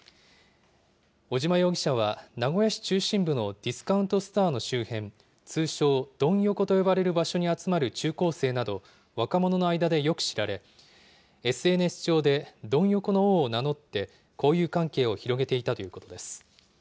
尾島容疑者は名古屋市中心部のディスカウントストアの周辺、通称、ドン横と呼ばれる場所に集まる中高生など、若者の間でよく知られ、ＳＮＳ上でドン横の王を名乗って、交友関係を広げていたということです。